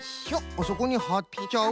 あそこにはっちゃう。